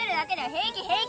平気平気。